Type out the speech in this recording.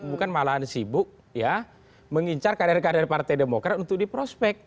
bukan malahan sibuk ya mengincar kader kader partai demokrat untuk diprospek